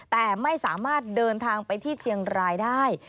แต่ไม่สามารถเดินทางไปที่เชียงรายได้